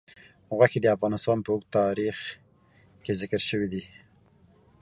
غوښې د افغانستان په اوږده تاریخ کې ذکر شوی دی.